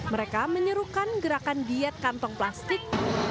mereka menyerukan gerakan diet kantong plastik